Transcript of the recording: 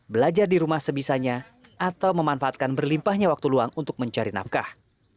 belajar di rumah sebisanya atau memanfaatkan berlimpahnya waktu luang untuk mencari nafkah